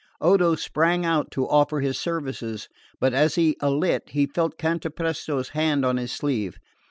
Odo sprang out to offer his services; but as he alit he felt Cantapresto's hand on his sleeve.